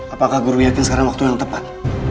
apakah guru yakin sekarang waktu yang tepat